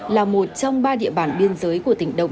là một trong ba địa bàn biên giới của tỉnh đông